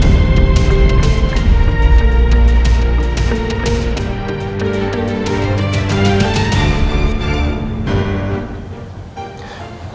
suara itu pak irfan